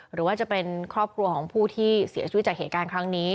หรือว่าจะเป็นครอบครัวของผู้ที่เสียชีวิตจากเหตุการณ์ครั้งนี้